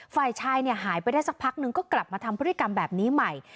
ฝ่ายชายหายไปได้สักพักนึงก็กลับมาทำพฤติกรรมแบบนี้ใหม่